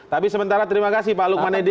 tapi sementara terima kasih pak lukman edi